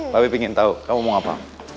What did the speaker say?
papi pingin tau kamu mau apa